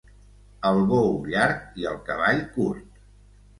El bou llarg i el cavall curt.